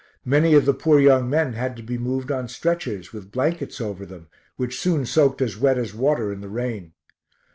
Many of the poor young men had to be moved on stretchers, with blankets over them, which soon soaked as wet as water in the rain.